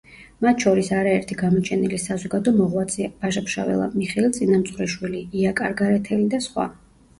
მათ შორის არაერთი გამოჩენილი საზოგადო მოღვაწეა: ვაჟა-ფშაველა, მიხეილ წინამძღვრიშვილი, ია კარგარეთელი და სხვა.